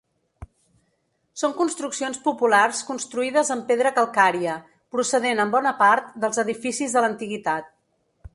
Són construccions populars construïdes amb pedra calcària, procedent en bona part, dels edificis de l'Antiguitat.